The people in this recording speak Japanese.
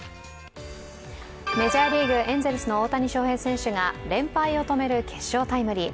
メジャーリーグ、エンゼルスの大谷翔平選手が連敗を止める決勝タイムリー。